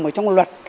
ở trong luật